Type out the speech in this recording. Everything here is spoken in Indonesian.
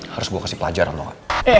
harus gue kasih pelajaran lo gak